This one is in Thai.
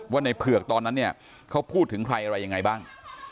ว่าในเผือกตอนนั้นเนี่ยเขาพูดถึงใครอะไรยังไงบ้าง